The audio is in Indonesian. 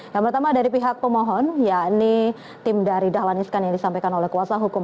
yang pertama dari pihak pemohon yakni tim dari dahlan iskan yang disampaikan oleh kuasa hukum